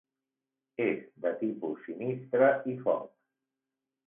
És de tipus sinistre i foc.